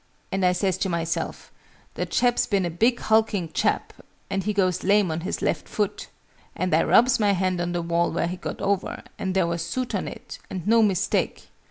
And I says to myself 'The chap's been a big hulking chap: and he goes lame on his left foot.' And I rubs my hand on the wall where he got over, and there was soot on it, and no mistake.